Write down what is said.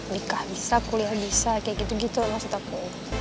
nikah bisa kuliah bisa kayak gitu gitu maksud aku